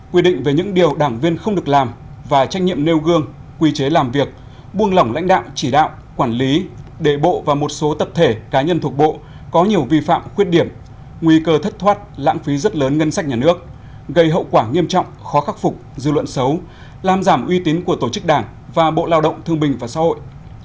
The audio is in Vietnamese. quy định về những điều đảng viên không được làm và trách nhiệm nêu gương quy chế làm việc buông lỏng lãnh đạo chỉ đạo quản lý đệ bộ và một số tập thể cá nhân thuộc bộ có nhiều vi phạm khuyết điểm nguy cơ thất thoát lãng phí rất lớn ngân sách nhà nước gây hậu quả nghiêm trọng khó khắc phục dư luận xấu làm giảm uy tín của tổ chức đảng và bộ lao động thương minh và xã hội